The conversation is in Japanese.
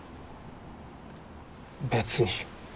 別に。